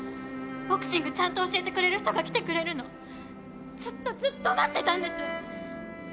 ボクシングちゃんと教えてくれる人が来てくれるのずっとずっと待ってたんです！